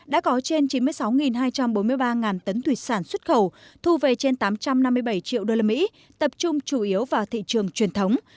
đã có trên chín mươi sáu hai trăm bốn mươi ba tấn thủy sản xuất khẩu thu về trên tám trăm năm mươi bảy triệu usd tập trung chủ yếu vào thị trường truyền thống